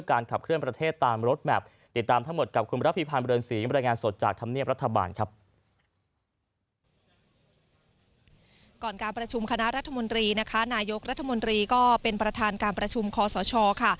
การประชุมคณะรัฐมนตรีนะคะนายกรัฐมนตรีก็เป็นประธานการประชุมคอสชค่ะ